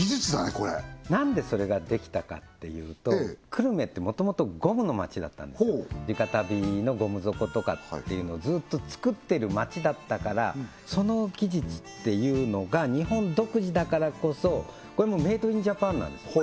これ何でそれができたかっていうと久留米ってもともとゴムの街だったんですよ地下足袋のゴム底とかっていうのをずっと作っている街だったからその技術っていうのが日本独自だからこそこれもメイド・イン・ジャパンなんです